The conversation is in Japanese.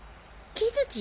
木づち？